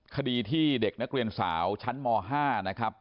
คดีที่เด็กนักเรียนสาวชั้นม๕นะครับ